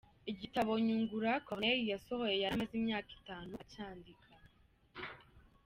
Igitabo Nyungura Corneille yasohoye yari amaze imyaka itanu acyandika.